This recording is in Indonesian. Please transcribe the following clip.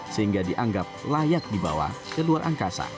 sehingga dianggap layak dibawa ke luar angkasa